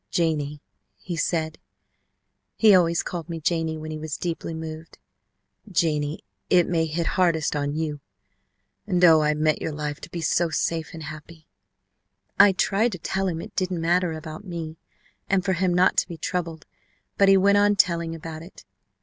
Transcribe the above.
'Janie,' he said he always called me Janie when he was deeply moved 'Janie, it may hit hardest on you, and oh, I meant your life to be so safe and happy!' "I tried to tell him it didn't matter about me, and for him not to be troubled, but he went on telling about it.